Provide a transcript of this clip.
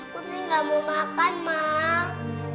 putri gak mau makan mak